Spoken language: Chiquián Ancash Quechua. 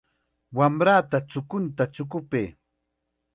Wamrata chukunta chukupay.